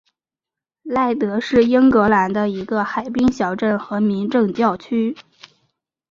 赖德是英格兰的一个海滨小镇和民政教区。